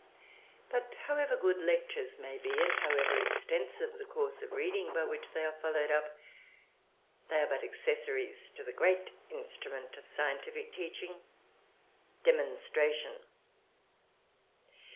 But, however good lectures may be, and however extensive the course of reading by which they are followed up, they are but accessories to the great instrument of scientific teaching demonstration.